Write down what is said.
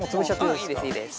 うんいいですいいです。